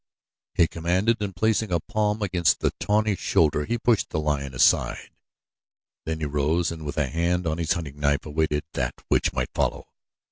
he commanded and placing a palm against the tawny shoulder he pushed the lion aside. Then he rose and with a hand on his hunting knife awaited that which might follow.